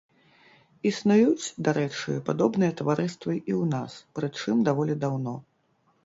Існуюць, дарэчы, падобныя таварыствы і ў нас, прычым даволі даўно.